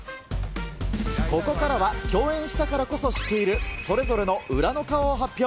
ここからは、共演したからこそ知っている、それぞれの裏の顔を発表。